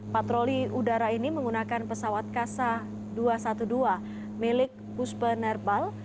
patroli udara ini menggunakan pesawat kasa dua ratus dua belas milik puspe nerbal